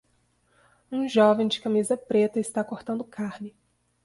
Um jovem de camisa preta está cortando carne.